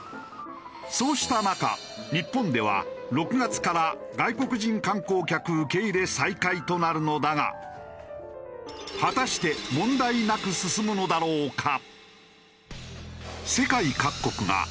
そうした中日本では６月から外国人観光客受け入れ再開となるのだが果たして問題なく進むのだろうか？